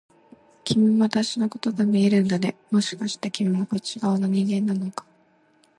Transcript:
君も私のことが見えるんだね、もしかして君もこっち側の人間なのか？